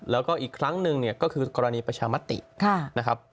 แล้วก็อีกครั้งหนึ่งเนี่ยก็คือกรณีประชามตินะครับ